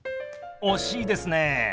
惜しいですね。